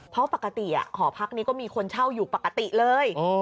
เพราะปกติหอพักนี้ก็มีคนเช่าอยู่ปกติเลย